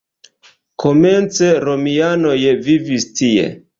Komence romianoj vivis tie.